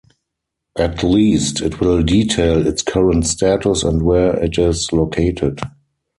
At least it will detail its current status and where it is located.